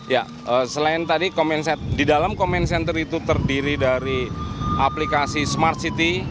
ya selain tadi di dalam comment center itu terdiri dari aplikasi smart city